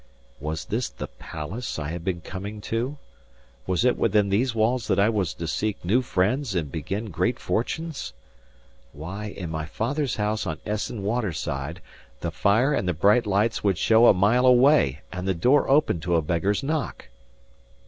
Was this the palace I had been coming to? Was it within these walls that I was to seek new friends and begin great fortunes? Why, in my father's house on Essen Waterside, the fire and the bright lights would show a mile away, and the door open to a beggar's knock!